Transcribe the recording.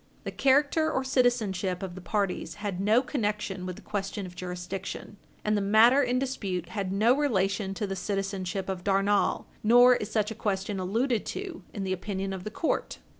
The character or citizenship of the parties had no connection with the question of jurisdiction, and the matter in dispute had no relation to the citizenship of Darnall. Nor is such a question alluded to in the opinion of the court.